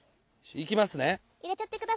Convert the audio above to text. いきますね。